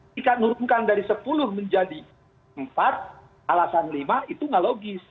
kita nurunkan dari sepuluh menjadi empat alasan lima itu tidak logis